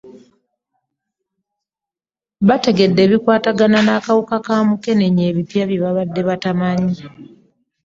Bategedde ku bikwatagana n'akawuka ka Mukenenya ebipya bye babadde tebamanyi.